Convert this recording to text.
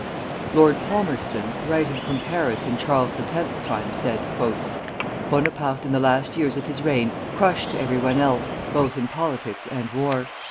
Lord Palmerston, writing from Paris in Charles X.'s time, said: "Bonaparte in the last years of his reign crushed every one else, both in politics and war.